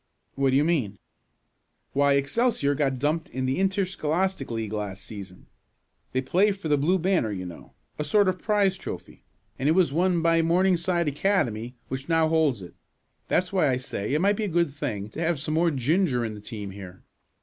"What do you mean?" "Why, Excelsior got dumped in the interscholastic league last season. They play for the blue banner you know a sort of prize trophy and it was won by Morningside Academy, which now holds it. That's why I say it might be a good thing to have some more ginger in the team here.